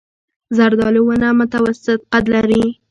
زردالو ونه متوسط قد لري.